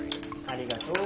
ありがとう。